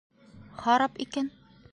— Харап икән!